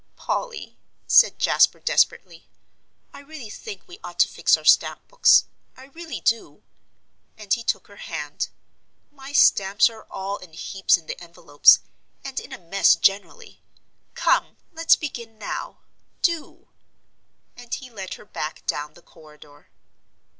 "Polly," said Jasper, desperately, "I really think we ought to fix our stamp books. I really do," and he took her hand. "My stamps are all in heaps in the envelopes, and in a mess generally. Come, let's begin now do." And he led her back down the corridor.